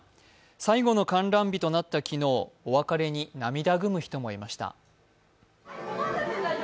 最後の観覧日となった昨日、お別れに涙ぐむ人もいました。